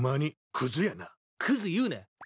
クズ言うな。